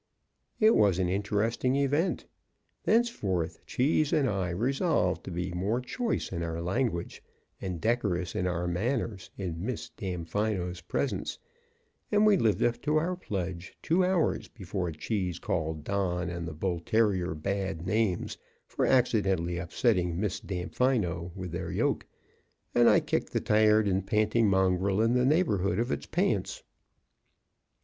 It was an interesting event. Thenceforth Cheese and I resolved to be more choice in our language and decorous in our manners in Miss Damfino's presence; and we lived up to our pledge two hours before Cheese called Don and the bull terrier bad names for accidentally upsetting Miss Damfino with their yoke, and I kicked the tired and panting mongrel in the neighborhood of its pants.